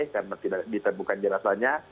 karena tidak ditebukan jelasannya